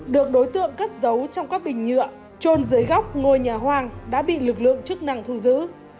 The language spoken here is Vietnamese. được đối tượng cất giấu trong các bình nhựa trôn dưới góc ngôi nhà hoang đã bị lực lượng chức năng thu giữ